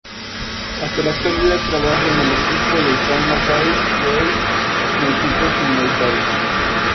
Hasta la actualidad trabaja en el equipo de tampa bay rays en equipos minoritarios.